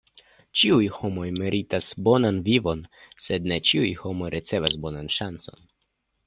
Ĉiuj homoj meritas bonan vivon, sed ne ĉiuj homoj ricevas bonan ŝancon.